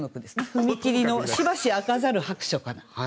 「踏切の暫し開かざる薄暑かな」。